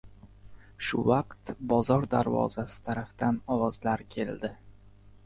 Shu vaqt, bozor darvozasi tarafdan ovozlar keldi.